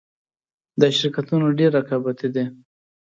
دا شرکتونه ډېر رقابتي دي